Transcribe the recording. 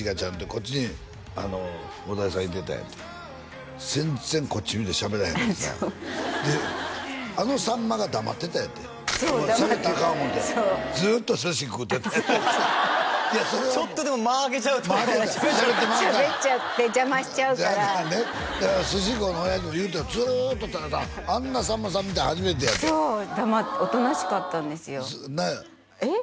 こっちに大竹さんがいてたんやて全然こっち見てしゃべらへんのよなであのさんまが黙ってたんやてしゃべったらアカン思うてそうずっと寿司食うてたいうてちょっとでも間をあけちゃうとしゃべっちゃって邪魔しちゃうからだから鮨幸の親父も言うてたずっとただあんなさんまさん見たん初めてやってそう黙っておとなしかったんですよえっ？